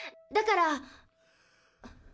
だから。